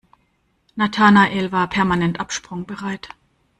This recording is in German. Nathanael war permanent absprungbereit.